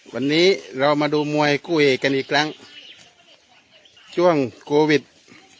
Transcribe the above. วันนี้เรามาดูมวยคู่เอกกันอีกครั้งช่วงโควิด